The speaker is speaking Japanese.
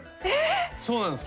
そうなんです。